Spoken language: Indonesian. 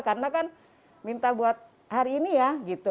karena kan minta buat hari ini ya gitu